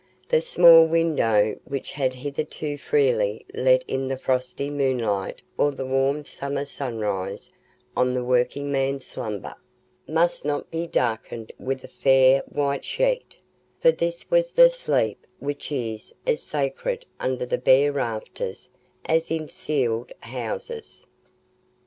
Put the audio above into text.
The small window, which had hitherto freely let in the frosty moonlight or the warm summer sunrise on the working man's slumber, must now be darkened with a fair white sheet, for this was the sleep which is as sacred under the bare rafters as in ceiled houses.